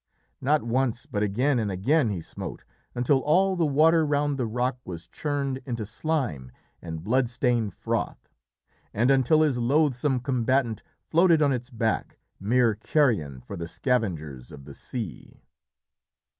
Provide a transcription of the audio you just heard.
Not once, but again and again he smote, until all the water round the rock was churned into slime and blood stained froth, and until his loathsome combatant floated on its back, mere carrion for the scavengers of the sea.